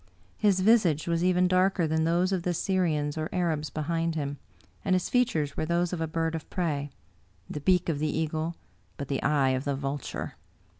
His visage was even darker than those of the Syrians or Arabs behind him, and his features were those of a bird of prey : the beak of the eagle, but the eye of the vulture.